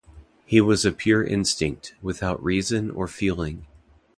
He was a pure instinct, without reason or feeling.